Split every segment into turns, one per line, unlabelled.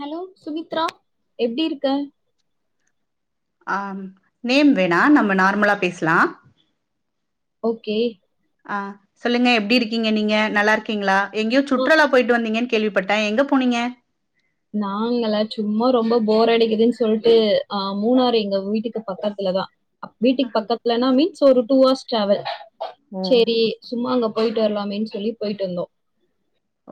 Hello Sumitra எப்டி இருக்க
ஆ நேம் வேணா நம்ம நார்மலா பேஸ்லா
ஓகே
ஆ சொல்லுங்க எப்டி இருக்கீங்க நீங்க நல்லா இருக்கீங்களா எங்யோ
ம்
சுற்றுலா போயிட்டு வந்தீங்கன் கேள்விப் பட்ட எங்க போனீங்க
நாங்கல சும்மா ரொம்ப போரடிக்குதுன் சொல்ட்டு ஆ மூணார் எங்க வீட்டுக்கு பக்கத்துலதா அப் வீட்டுக் பக்கத்துலனா மீன் ஸ் ஒரு டூ ஹார்ஸ் டிராவல்
ஓ
சேரி சும்மா அங்கப் போயிட்டு வரலாமேன் சொல்லி போயிட்டு வந்தோ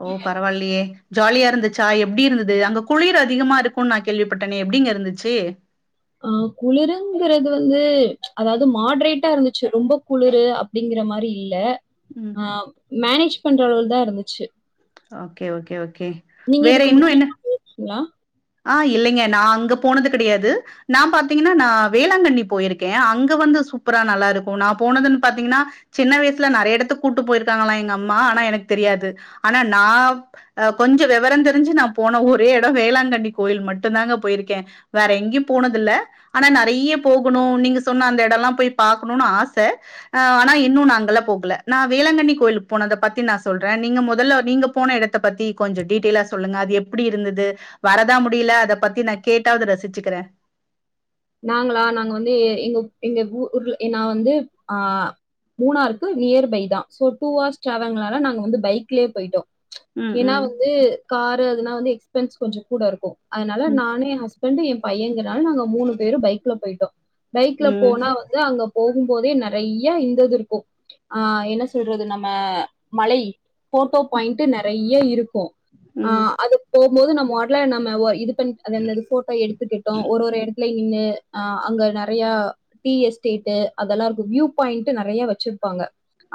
ஓ பரவால்லியே ஜாலியா இருந்துச்சா எப்டி இருந்தது அங்க குளிர் அதிகமா இருக்குன் நா கேள்விப்பட்டனே எப்டிங்க இருந்துச்சு
ஆ குளிருங்குறது வந்து அதாவது மாட்ரேட்டா இருந்துச்சு ரொம்ப குளுரு அப்டிங்கிற மாரி இல்ல
ம்
ஆ மேனேஜ் பண்ற அளவுலதா இருந்துச்சு
ஓகே ஓகே ஓக் கே
நீங்க
வேற
இதுக்கு
இன்னு
முன்னாடி
என்ன
ங்களா
ஆ இல்லைங்க நா அங்க போனது கெடையாது நா பாத்தீங்கன்னா நா வேளாங்கண்ணி போயிருக்க அங்க வந்து சூப்பரா நல்லா இருக்கு நா போனதுன் பாத்தீங்கன்னா சின்ன வயிசுல நறையா எடத்துக்கு கூட்டு போயிருக்காங்களா எங்க அம்மா ஆனா எனக்கு தெரியாது ஆனா நா கொஞ்சோ வெவரந் தெருஞ்சு நா போன ஒரே எடோ வேளாங்கண்ணி கோயில் மட்டுந்தாங்க போயிருக்க வேற எங்கயு போனதில்ல ஆனா நறையா போகணு நீங்க சொன்ன அந்த எடோலா போய் பாக்கணுன் ஆச ஆ ஆனா இன்னு நா அங்கெல்லா போகல நா வேளாங்கண்ணி கோயிலு போனத பத்தி நா சொல்ற நீங்க மொதல்ல நீங்க போன எடத்த பத்தி கொஞ்சோ டீடெயில்லா சொல்லுங்க அது எப்டி இருந்தது வர தா முடில அத பத்தி நா கேட்டாவது ரசுச்சுக்குற
நாங்களா நாங்க வந்து எங்க எங்க ஊ ஊர்ல நா வந்து ஆ மூணாருக்கு நியர்பை தா சோ டூ ஹார்ஸ் டிராவல்னால நாங்க வந்து பைக்லயே போயிட்டோ
ம்
ஏன்னா
ம்
வந்து காரு அதுனா வந்து எக்ஸ் பென்ஸ் கொஞ்சோ கூட இருக்கு அதனால
ம்
நானு எ ஹஸ்பண்டு எம் பையங்கல நாங்க மூணு பேரு பைக்ல போயிட்டோ பைக்ல
ம்
போனா வந்து அங்க போகும்போதே நறையா இந்தது இருக்கு ஆ என்ன சொல்றது நம்ம மலை போட்டோ பாயிண்டு நறையா இருக்கு ஆ
ம்
அது போ போது நம்ம ஒடல நம்ம ஒர் இதுப் பண்ட் அது என்னது ஃபோட்டோ எடுத்துக்கிட்டோ ஒரு ஒரு எடத் லை நின்னு ஆ அங்க நறையா டீ எஸ்டேட்டு அதல்லா இருக்கு வியூ பாயிண்ட்டு நறையா வெச்சுருப்பாங்க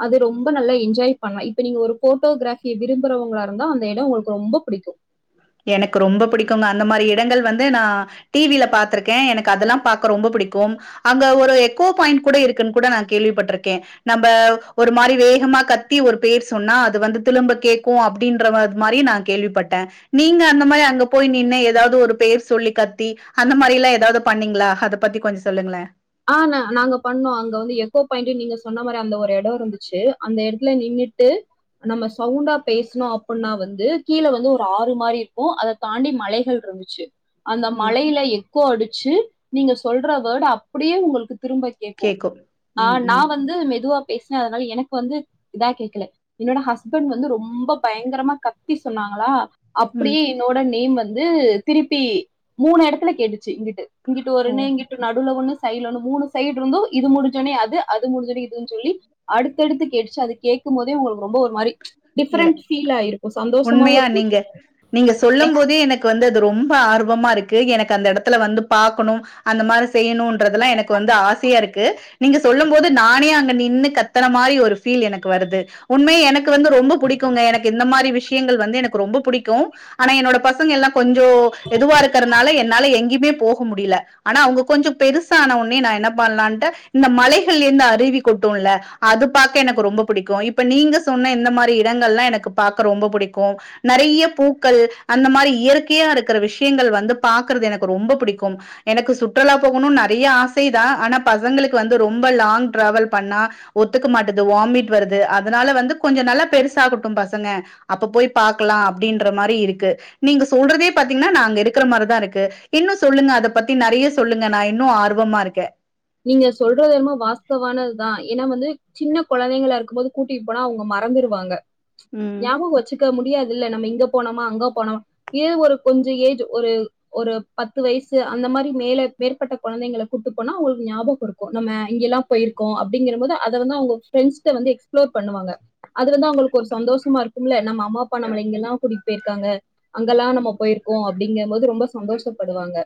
அது ரொம்ப நல்லா என்ஜாய் பண்லா இப்ப நீங்க ஒரு ஃபோட்டோ கிராபிய விரும்புறவங்களா இருந்தா அந்த எடோ உங்களுக்கு ரொம்ப புடிக்கு
எனக்கு ரொம்ப புடிக்குங்க அந்த மாரி எடங்கள் வந்து நா டிவில பாத்துருக்க எனக்கு அதெல்லாம் பாக்க ரொம்ப புடிக்கும் அங்க ஒரு எக்கோ பாயிண்ட் கூட இருக்குன் கூட நா கேள்விப்பட்ருக்கே நம்ப ஒரு மாரி வேகமா கத்தி ஒரு பேர் சொன்னா அது வந்து திழும்ப கேக்கு அப்டின்ற மார் மாரி நா கேள்விப்பட்ட நீங்க அந்த மாரி அங்க போய் நின்னு எதாவது ஒரு பேர் சொல்லி கத்தி அந்த மாரிலா எதாவது பண்ணீங்களா அத பத்தி கொஞ்சோ சொல்லுங்களே
ஆ நா நாங்க பண்ணோ அங்க வந்து எக்கோ பாயிண்டு நீங்க சொன்ன மாரி அந்த ஒரு எடோ இருந்துச்சு அந்த எடத்துல நின்னுட்டு நம்ம சவுண்டா பேஸ்னோ அப்புன்னா வந்து கீழ வந்து ஒரு ஆறு மாரி இருக்கு அத தாண்டி மலைகள் இருந்துச்சு அந்த
ம்
மலையில எக்கோ அடுச்சு நீங்க சொல்ற வோடு அப் அப்டியே உங்களுக்குத் திரும்ப கேக்கு
கேக்கும்
ஆ
ம்
நா
ம்
வந்து மெதுவா பேஸ்ன அதனால எனக்கு வந்து இதா கேக்கல என்னோட ஹஸ்பண்ட் வந்து ரொம்ப பயங்கரமா கத்தி சொன்னாங்களா
ம்
அப்டியே என்னோட நேம் வந் து திருப்பி மூணு எடத்துல கேட்டுச்சு இங்குட் டு இங்கிட்டு
ஓ
ஒருனே இங்கிட்டு நடுல ஒண்ணு சைடுல ஒன்னு மூணு சைட இருந்து இது முடுஞ்சோனே அது அது முடுஞ்சோனே இதுன் சொல்லி அடுத்தடுத்து கேட்டுச்சு அது கேக்கும் போதே உங்களுக்கு ரொம்ப ஒரு மாரி
இல்ல
டிஃப்ரெண்ட் ஃபீல்லா ஆயிருக்குஸ்
உண்மையா நீங்க நீங்க சொல்லும்
இருக்கு
போதே எனக்கு வந் து அது ரொம்ப ஆர்வமா இருக்கு எனக்கு அந்த எடத்துல வந்து பாக்கணும் அந்த மாரி செய்யணுன்றதெல்லா எனக்கு வந்து ஆசையா இருக்கு நீங்க சொல்லும் போது நானே அங்க நின் நின்னு கத்தர மாரி ஒரு ஃபீல் எனக்கு வருது உண்மையா எனக்கு வந்து ரொம்ப புடிக்குங்க எனக்கு இந்த மாரி விஷ் யங்கள் வந்து எனக்கு ரொம்ப புடிக்கு ஆனா என்னோட பசங்க எல்லா கொஞ்சோ எதுவா இருக்குறதுனால என்னால எங் யுமே போக முடில ஆனா அவங்க கொஞ்சோ பெருசான ஒன்னே நா என்ன பண்லான்டு இந்த மலைகள் இருந்து அருவி கொட்டுல்ல அது பாக்க எனக்கு ரொம்ப புடிக்கு இப்ப நீங்க சொன்ன இந்த மாரி இடங்கள்லா எனக்கு பாக்க ரொம்ப புடிக் க்கு நறைய பூக்கள் அந்த மாரி இயற்கையா இருக்குற விஷ்யங்கள் வந்து பாக்குறது எனக்கு ரொம்ப புடிக்கும் எனக்கு சுற்றுலா போகணுன் நறையா ஆசைதா ஆனா பசங்களுக்கு வந்து ரொம்ப லாங் டிராவல் பண்ணா ஒத்துக்க மாட்டது வாமிட் வருது அதனால வந்து கொஞ்சோ நல்லா பெருசாகட்டும் பசங்க அப்ப போய் பாக்கலா அப்டின்ற மாரி இருக்கு நீங்க சொல்றதே பாத்தீங்கன்னா நா அங்க இருக்குற மாரிதா இருக்கு இன்னு சொல்லுங்க அத பத்தி நறையா சொல்லுங்க நா இன்னு ஆர்வமா இருக்க
நீங்க சொல்றது என்னமோ வாஸ்தவானதா ஏன்னா வந்து சின்ன கொழந்தைங்களா இருக்கும்போது கூட்டிட் போனா அவங்க மறந்துருவாங்க
ம்
ஞாபகோ வெச்சுக்க முன் முடியாதுல்ல நம்ம இங்க போனமா அங்க போனமா இது ஒரு கொஞ்சோ ஏஜ் ஒரு பத்து வயிசு அந்த மாரி மேல மேற்பட்ட கொழந்தைங்கள கூட்டு போனா அவுங்களுக் ஞாபகோ இருக்கு நம்ம இங்கியெல்லா போயிருக்கோ அப்டிங்குற போது அது வந்து அவுங்க ஃப்ரெண்ட்ஸ் கிட்ட வந்து எக்ஸ்புளோர் பண்ணுவாங்க அது வந்து அவங்களுக்கு ஒரு சந்தோமா இருக்கும்ல நம்ம அவுங் அம்மா அப்பா நம்ல இங்கெல்லா கூட்டிட் போயிருக்காங்க அங்கெல்லா நம்ம போயிருக்கோ அப்டிங்கும் போது ரொம்ப சந்தோஷப்படுவாங்க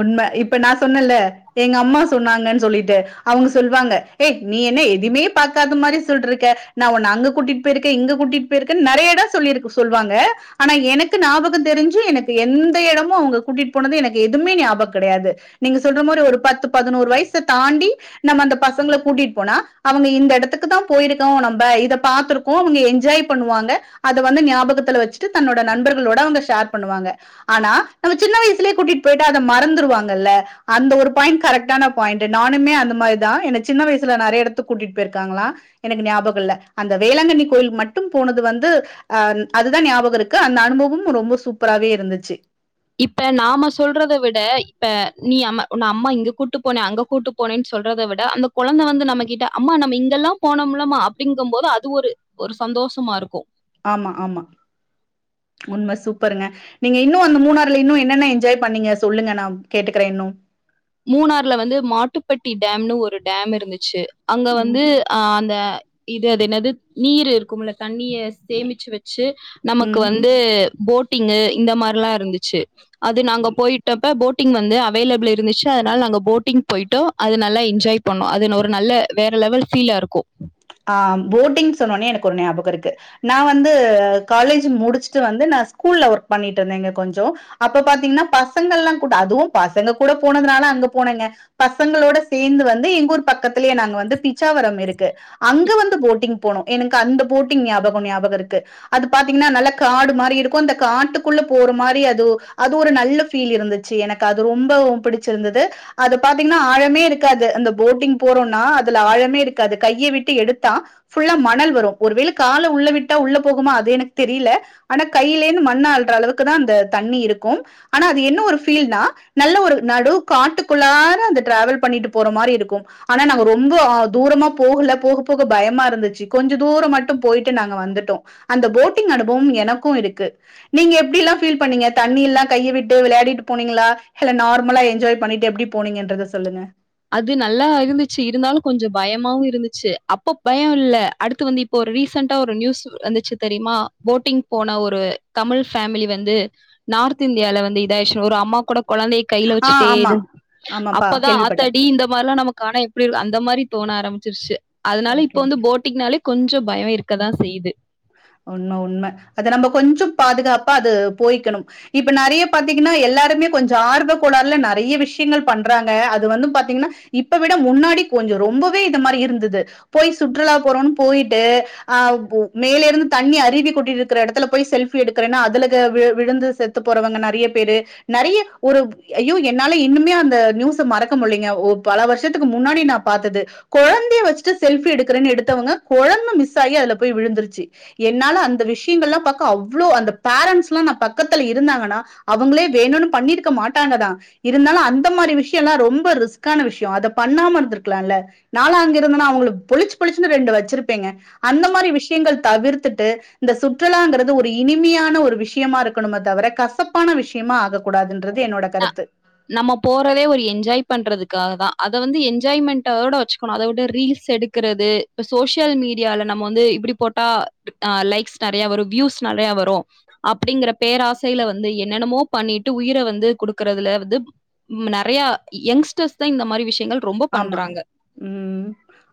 உண்ம இப்ப நா சொன்னல்ல எங்க அம்மா சொன்னாங்கன் சொல்லிட்டு அவங்க சொல்வாங்க ஏ நீ என்ன எதுமே பாக்காத மாரி சொல்ட்ருக்க நா உன்ன அங்க கூட்டிட்டு போயிருக்கே இங்க கூட்டிட்டு போயிருக்கேன்னு நெறைய எடோ சொல்லிருக்கு சொல்வாங்க. ஆனா எனக்கு ஞாபகோ தெரிஞ்சு எனக்கு எந்த எடமு அவங்க கூட்டிட்டு போனது எனக் எதுமே ஞாபகோ கெடையாது. நீங்க சொல்ற மாரி ஒரு பத்து பதனோரு வயசு தாண்டி நம்ம அந்த பசங்கள கூட்டிட்டு போனா அவங்க இந்த எடத்துக்குதா போயிருக்கோ நம்ப இத பாத்திருக்கோ அவங்க என்ஜாய் பண்ணுவாங்க அத வந்து ஞாபகத்துல வெச்சிட்டு தன்னோட நண்பர்களோட அவங்க ஷேர் பண்ணுவாங்க. ஆனா, நம்ம சின்ன வயசுலயே கூட்டிட் டு போயிட்டா அத மறந்துருவாங்கல்ல. அந்த ஒரு பாயிண்ட் கரெக்டான பாயிண்ட்டு நானுமே அந்த மாரிதா. என்ன சின்ன வயசுல நெறைய எடத்துக்கு கூட்டிட்டு போயிருக்காங்களா எனக்கு ஞாபகோ இல்ல. அந்த வேளாங்கண்ணி கோயில் மட்டும் போனது வந்து ஆ அதுதா ஞாபகோ இருக்கு அந்த அனுபவமு ரொம்ப சூப்பராவே இருந்துச்சு.
இப்ப நாம சொல்றத விட இப்ப நீ அம்மா உன்ன அம்மா இங்க கூட்டு போனே, அங்க கூட்டு போனேன்னு சொல்றத விட அந்த கொழந்த வந்து நம்மகிட்ட அம்மா நம்ம இங்கெல்லா போனமுல்லமா அப்டிங்கும்போது அது ஒரு ஒரு சந்தோஷமா இருக்கு.
ஆமா ஆமா உண்ம சூப்பருங்க. நீங்க இன்னு அந்த மூணாறுல இன்னு என்னென்ன என்ஜாய் பண்ணீங்க சொல்லுங்க நா கேட்டுக்கிறே இன்னு.
மூணார்ல வந்து மாட்டுப்பட்டி டேம்னு ஒரு டேம் இருந்துச்சு. அங்க
ம்
வந்து ஆ அந்த இ து அது என்னது நீர் இருக்கும்ல தண்ணிய சேமிச்சு வச்சு நமக்கு
ம்
வந்து போட்டிங்கு இந்த மாரிலா இருந்துச்சு அது நாங்க போயிட்டப்ப போட் டிங் வந்து அ வைலபிள் இருந்துச்சு அங்க போட்டிங் போய்ட்டோ அது நல்லா என்ஜாய் பண்ணோ அது ஒரு நல்ல வேற லெவல் ஃபீலா இருக்கு
ஆ போட்டிங் சொன்னோனே எனக்கு ஒரு ஞாபகோ இருக்கு. நா வந்து காலேஜ் முடிச்சுட்டு வந்து நா ஸ்கூல்ல ஒர்க் பண்ணிட்டுருந்தேங்க கொஞ்சோ. அப்ப பாத்தீங்கன்னா பசங்கல்லா கூட அதுவு பசங்க கூட போனதுனால அங்க போனேங்க. பசங்களோட சேந்து வந்து எங்க ஊர் பக்கத்லே நாங்க வந்து பிச்சாவரம் இருக்கு. அங்க வந்து போட்டிங் போனோ. எனக்கு அந்த போட்டிங் ஞாபகோ ஞாபகோ இருக்கு. அது பாத்தீங்கன்னா நல்ல காடு மாரி இருக்கு அந்த காட்டுக்குள்ள போற மாரி அது அது ஒரு நல்ல ஃபீல் இருந்துச்சு எனக்கு அது ரொம்பவு புடிச்சிருந்தது. அது பாத்தீங்கனா ஆழமே இருக்காது அந்த போட்டிங் போறோனா அதுல ஆழமே இருக்காது கைய விட் டு எடுத்தா ஃபுல்லா மணல் வரு. ஒரு வேள கால உள்ள விட்டா உள்ள போகுமா அது எனக்கு தெரியல. ஆனா கைலேந்து மண்ண அள்ற அளவுக்குதா அந்த தண்ணி இருக்கு. ஆனா அது என்ன ஒரு ஃபீல்னா நல்ல ஒரு நடு காட்டுக்குள்ளாற அந்த டிராவல் பண்ணிட்டு போற மாரி இருக்கு. ஆனா நாங்க ரொம்ப ஆ தூரமா போகுல போக போக பயமா இருந்துச்சு. கொஞ்ச தூரோ மட்டு போய்ட்டு நாங்க வந்துட்டோ. அந்த போட்டிங் அனுபம் எனக்கு இருக்கு. நீங்க எப்டில்லா ஃபீல் பண்ணீங்க தண்ணிலா கையை விட்டு வெளாடிட்டு போனீங்களா இல்ல நார்மலா என்ஜாய் பண்ணிட்டு எப்டி போனீங்கன்றத சொல்லுங்க.
அது நல்லா இருந்துச்சு. இருந்தாலு கொஞ்ச பயமாவு இருந்துச்சு. அப்போ பயம் இல்ல அடுத்து வந்து இப்போ ஒரு ரீசன்டா ஒரு நியூஸ் வந்துச்சு தெரியுமா போட்டிங் போன ஒரு தமிழ் ஃபேமிலி வந்து நார்த் இந்தியால வந்து இதாய்ச்சுனு ஒரு அம்மா கூடோ கொழந்தைய கைல
ஆ
வச்சுட்டே
ஆமா
இருந்
ஆமாப்பா
அப்பதா ஆ
கேள்விப்பட்டே
த்தாடி இந்த மார்லா நமக்கு ஆனா எப்டி இருக்கு அந்த மாரி தோண ஆரம் பிச்சிருச்சு அதனால இப்ப
ஓகே
வந்து போட்டிங்னாலே கொஞ்
உண்ம உண்ம அத நம்ப கொஞ்சொ பாதுகாப்பா அது போய்க்கணும். இப்ப நெறைய பாத்தீங்கனா எல்லாருமே கொஞ்ச ஆர்வ கோளாறுல நெறைய விஷயங்கள் பண்றாங்க. அது வந்து பாத்தீங்கனா இப்ப விட முன்னாடி கொஞ்ச ரொம்பவே இந்த மாரி இருந்தது. போய் சுற்றுலா போறோனு போயிட்டு ஆ ஓ மேலேருந்து தண்ணி அருவி கொட்டிட்டுருக்கற எடத்துல போய் செல்ஃபி எடுக்கறேன்னு அதுல க வி விழுந்து செத்து போறவங்க நெறைய பேரு நெறைய ஒரு ஐயோ என்னால இன்னுமே அந்த நியூஸ மறக்க முடிலைங்க. பல வருஷத்துக்கு முன்னாடி நா பாத்தது கொழந்தைய வச்சுட்டு செல்ஃபி எடுக்குறேனு எடுத்தவங்க கொழந்த மிஸ் ஆயி அதுல போய் விழுந்துருச்சு. என்னால அந்த விஷ்யங்கல்லா பாக்க அவ்ளோ அந்த பேரன்ட்ஸ்லா நா பக்கத்துல இருந்தாங்கனா அவுங்களே வேணுனு பண்ணிருக்க மாட்டாங்கதா இருந்தாலு அந்த மாரி விஷ்யலா ரொம்ப ரிஸ்க்கான விஷ்யோ அத பண்ணாம இருந்துருக்கலால. நான்லா அங்க இருந்தன்னா அவுங்கள பொலிச் பொலிச்சுனு ரெண்டு வச்சிருப்பேங்க. அந்த மாரி விஷ்யங்கள் தவிர்த்துட்டு இந்த சுற்றுலாங்கறது ஒரு இனிமையான ஒரு விஷ்யமா இருக்கணுமே தவிர கசப்பான விஷ்யமா ஆக கூடாதுன்றது என்னோட கருத்து.
நம்ம போறதே ஒரு என்ஜாய் பண்றதுக்காகதா. அத வந்து என்ஜாய்மெண்டோட வச்சுக்கணு. அத விட்டு ரீல்ஸ் எடுக்கறது இப்ப சோசியல் மீடியால நம்ம வந்து இப்டி போட்டாஆ லைக்ஸ் நெறய வரு வியூஸ் நெறய வரு அப்டிங்கற பேராசைல வந்து என்னென்னமோ பண்ணிட்டு உயிர வந்து குடுக்கறதுல வ ந்து ம் நெறயா யெ யெங்ஸ்டர்ஸ்தா இந்த மாரி விஸ்யங்கள்
ஆமா ம்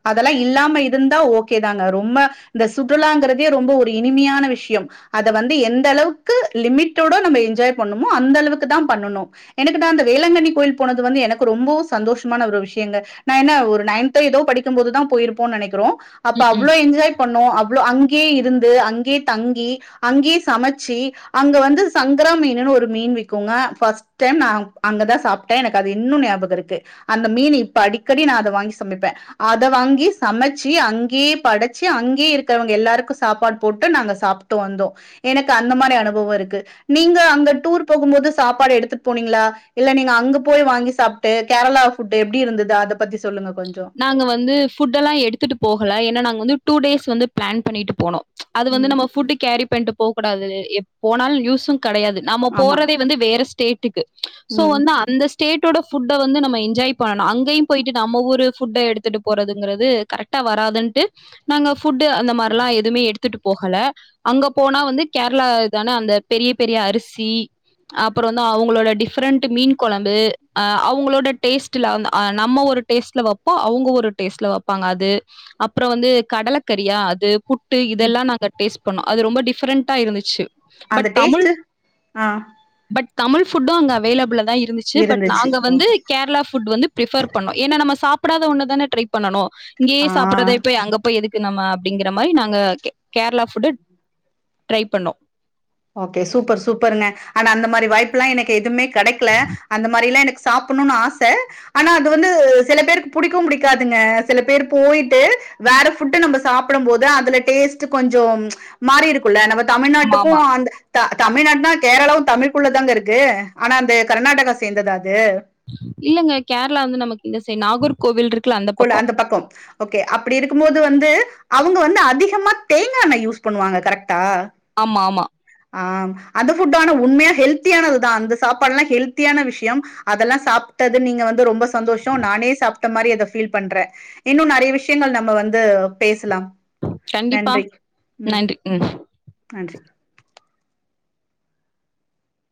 அதல்லா இல்லாம இருந்தா ஓ கேதாங்க ரொம்ப இந்த சுற்றுலாங்கறதே ரொம்ப ஒரு இனிமையான விஷ்யம். அத வந்து எந்த அளவுக்கு லிமிட்டோட நம்ம என்ஜாய் பண்ணுமோ அந்த அளவுக்குதா பண்ணணு எனக்குதா இந்த வேளங்கண்ணி கோயில் போனது வந்து எனக்கு ரொம்பவு சந்தோஷமான ஒரு விஷ் யங்க. நா என்ன ஒரு நைன்த்தோ எதோ படிக்கும்போதுதா போயிருப்போன்னு நெனக்கிறோ. அப்ப
ம்.
அவ்ளோ என்ஜாய் பண்ணோ அவ் வ்ளோ அங்கயே இருந்து அங்கே தங்கி அங்கயே சமச்சி அங்க வந்து சங்கரா மீன்னு ஒரு மீன் விக்கிகுங்க ஃப்ஸ்ட் டைம் நா அங்கதா சாப்ட்டே எனக்கு அது இன்னு ஞாபக இருக்கு அந்த மீனு இப்ப அடிக்கடி நா அத வாங்கி சமைப்பே அத வாங்கி சமச்சி அங்கே படைச்சி அங்கே இருக்கிறவங்க எல்லாருக்கு சாப்பாடு போட்டு நாங்க சாப்புட்டு வந்தோ எனக்கு அந்த மாரி அனுபவ இருக்கு நீங்க அங்க டூர் போகுமோது சாப்பாடு எடுத்துட் போனீங்களா இல்ல நீங்க அங்க போய் வாங்கி சாப்ட்டு கேரளா ஃபுட்டு எப்டி இருந்த து அத பத்தி
நாங்க வந்து ஃபுட் எல்லா எடுத்துட்டு போகல ஏனா நாங்க வந்து டூ டேஸ் வந்து பிளான் பண்ணிட்டு போனோ அது வந்து
ம்.
நம்ம ஃபுட்டு் கேரி பண்ட்டு போகூடாது எப் போனாலு யூஸு கடையாது நாம
ஆமா.
போறதே வந்து வேற ஸ்டேட் டிக்கு சோ
ம்.
வந்து அந்த ஸ்டேட்டோட ஃபுட்ட வந்து நம்ம என்ஜாய் பண்ணணு அங்கயு போய்ட்டு நம்ம ஊரு ஃபுட்ட எடுத்துட்டு போறதுங்கறது கரெட்டா வராதுன்ட்டு நாங்க ஃபுட்டு் அந்த மார்ல்லா எதுமே எடுத்துட்டு போகல அங்க போனா வந்து கேரளா தான அந்த பெரிய பெரிய அரிசி அப்பற வந்து அவுங்ளோட டிஃப்ரெண்ட்டு மீன் கொழம்பு ஆ அவுங்களோட டேஸ்ட்ல அந்த ஆ நம்ம ஒரு டேஸ்ட்ல வப் போ அவுங்க ஒரு டேஸ்ட்ல வப்பாங்க அது அப்புற வந்து கடலக்கரியா அது புட் டு இதெல்லா நாங்க டேஸ் பன்னோ அது ரொம்ப டிஃப்ரெண்டா இருந்துச்சி
அந்த டேஸ்ட்டு ஆ
பட் தமிழ் ஃபுட்டு அங்க அவைலபுல தா இருந்துச்சி பட்
இருந்துச்சு.
நாங்க வந்து
ஓகே.
கேரளா புட் வந்து பிரிபர் பண்ணோம் ஏன்னா நம்ம சாப் சாப்டாத ஒன்னு தான ட்ரை பண்ணனும் இங்கயே
ஆ.
சாப்டறதா இ போய் அங்க போய் எதுக் கு நம்மா அப்டிங்கிற இந்த மாதிரி நாங்க கே கேரளா ஃபுட்டு ட்ரை பண்ணோம்
ஓகே சூப்பர் சூப்பருங்க ஆனா அந்த மாரி வாய்ப் புலா எனக்கு எதுமே கெடைக்கல அந்த மாரிலாம் எனக்கு சாப்பணும்னு ஆச ஆனா அது வந்து சில பேருக்கு புடிக்கும் புடிக்காதுங்க சில பேர் போயிட்டு வேற ஃபுட்ட நம்ம சாப்படம் போது அதுல டேஸ்ட்டு கொஞ்சம் மாறி இருக்குல்ல நம்ம தமிழ்நாட்டு
ஆமாமா.
கும் அந்த த தமிழ்நாடுனா கேரளாவும் தமிழ்க்குள்ளதாங்க இருக்கு ஆனா அந்த கர்நாடகா சேந்ததா அது?
இல்லங்க கேரளா வந்து நமக்கு இந்த சே நாகூர் கோவில் இருக்
குல அந்த பக்க ஓகே அப்டி இருக்கும்போது வந்து அவுங்க வந்து அதிகமா தேங்கா எண்ணெ யூஸ் பண்ணுவாங்க கரெக்ட்டா
ஆமா ஆமா
ஆ அந்த ஃபுட்டான உண்மையா ஹெல்த்தியானதுதா அந்த சாப்பாடு எல்லா ஹெல்த்தியான விஷய அதெல்லா சாப்டது நீங்க வந்து ரொம்ப சாப் சந்தோஷ நானே சாப் த்த மாரியத ஃபு பீல் பண்ற இன்னு நெறைய விஷயங்கள் நம்ம வந்து பேசலா
கண்டிப்பா நன்றி ம்
நன்றி